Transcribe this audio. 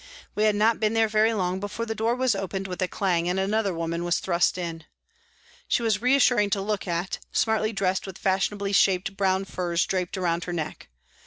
We had not been there very long before the door was opened with a clang and another woman was thrust in. She was reassuring to look at, smartly dressed with fashion ably shaped brown furs draped round her neck.